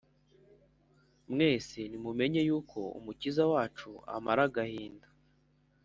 Mwese nimumenye yuko umukiza wacu amara agahinda